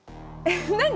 えっ何？